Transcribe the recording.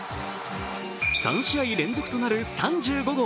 ３試合連続となる３５号！